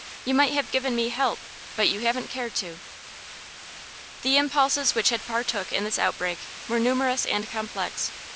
You might have given me help, but you haven't cared to.' The impulses which had part in this outbreak were numerous and complex.